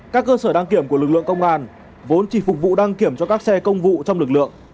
các cơ sở đăng kiểm của lực lượng công an vốn chỉ phục vụ đăng kiểm cho các xe công vụ trong lực lượng